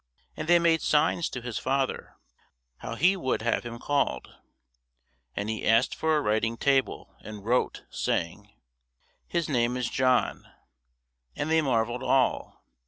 And they made signs to his father, how he would have him called. And he asked for a writing table, and wrote, saying, His name is John. And they marvelled all.